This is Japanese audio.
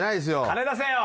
金出せよ！